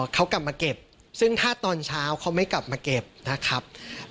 เขากลับมาเก็บซึ่งถ้าตอนเช้าเขาไม่กลับมาเก็บนะครับ